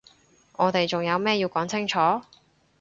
我哋仲有咩要講清楚？